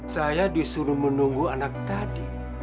saya disuruh menunggu anak tadi